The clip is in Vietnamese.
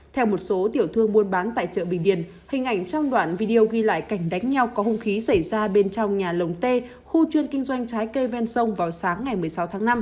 theo một số tiểu thương buôn bán tại chợ bình điền hình ảnh trong đoạn video ghi lại cảnh đánh nhau có hung khí xảy ra bên trong nhà lồng t khu chuyên kinh doanh trái cây ven sông vào sáng ngày một mươi sáu tháng năm